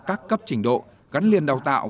các cấp trình độ gắn liền đào tạo